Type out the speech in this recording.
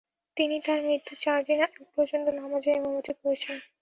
তিনি তার মৃত্যুর চারদিন আগ পর্যন্ত নামাজের ইমামতি করেছেন।